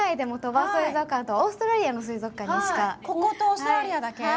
こことオーストラリアだけ？